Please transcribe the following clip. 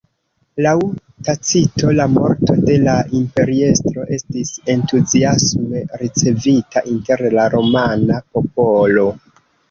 Laŭ Tacito la morto de la imperiestro estis entuziasme ricevita inter la romana popolo.